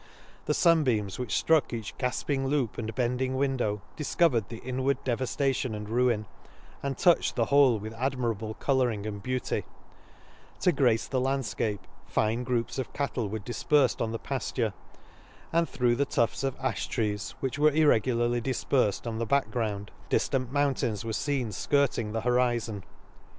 — The fun beams which ftruck each gafping loup, and bending window, difcovered the inward devaftation and ruin ; and touched the whole with admi rable colouring and beauty ; to grace the landfcape, fine groups of cattle were dif perfed on the paflure ; and through the tufts of afh trees, which were irregularly difperfed on the back ground, diftant mountains were feen Hurting the horizon.